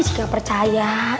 ih gak percaya